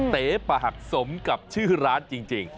เต๋ปะหักสมกับชื่อร้านจริง